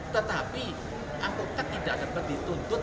tetapi angkutan tidak dapat dituntut